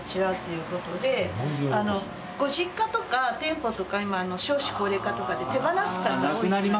ご実家とか店舗とか今少子高齢化とかで手放す方が。